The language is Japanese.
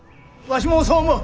わしもそう思う。